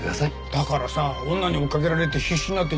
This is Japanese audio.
だからさ女に追いかけられて必死になって逃げて。